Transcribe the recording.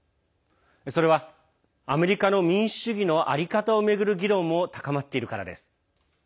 それは、アメリカの民主主義の在り方を巡る議論も高まっているからです。